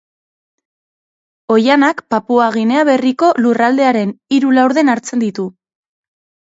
Oihanak Papua Ginea Berriko lurraldearen hiru laurden hartzen ditu.